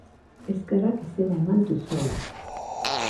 Eskerrak izena eman duzuela.